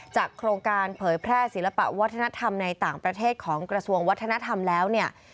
โครงการเผยแพร่ศิลปะวัฒนธรรมในต่างประเทศของกระทรวงวัฒนธรรมแล้วเนี่ย